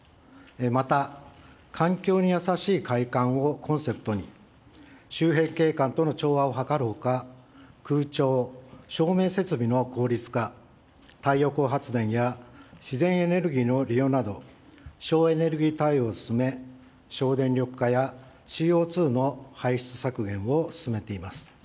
また、環境に優しい会館をコンセプトに、周辺景観との調和を図るほか、空調、照明設備の効率化、太陽光発電や自然エネルギーの利用など、省エネルギー対応を進め、省電力化やＣＯ２の排出削減を進めています。